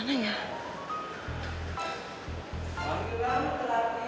udah dipanggil sama siapa